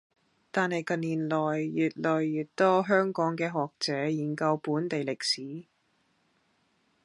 但係近年來越來越多香港嘅學者研究本地歷史